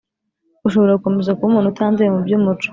Ushobora gukomeza kuba umuntu utanduye mu by umuco